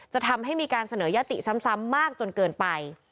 ทำให้มีการเสนอยติซ้ำมากจนเกินไป